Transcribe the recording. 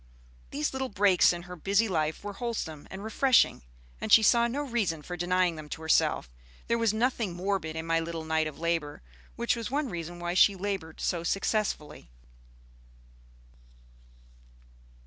These little breaks in her busy life were wholesome and refreshing, and she saw no reason for denying them to herself. There was nothing morbid in my little Knight of Labor, which was one reason why she labored so successfully.